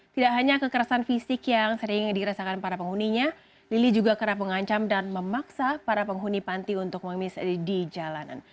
tidak hanya kekerasan fisik yang sering dirasakan para penghuninya lili juga kerap mengancam dan memaksa para penghuni panti untuk mengemis di jalanan